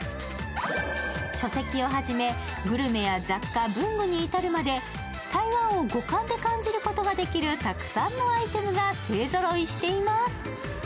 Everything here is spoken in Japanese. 書籍をはじめグルメや雑貨、文具に至るまで台湾を五感で感じることができるたくさんのアイテムが勢ぞろいしています。